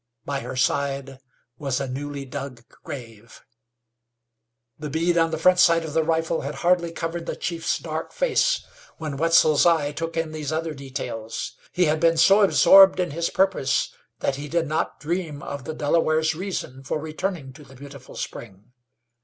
By her side was a newly dug grave. The bead on the front sight of the rifle had hardly covered the chief's dark face when Wetzel's eye took in these other details. He had been so absorbed in his purpose that he did not dream of the Delaware's reason for returning to the Beautiful Spring.